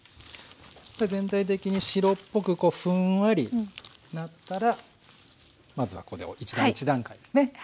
全体的に白っぽくふんわりなったらまずはここで１段階ですね